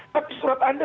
tapi surat anda